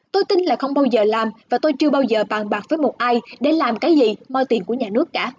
tôi tin là không bao giờ làm và tôi chưa bao giờ bàn bạc với một ai để làm cái gì mo tiền của nhà nước cả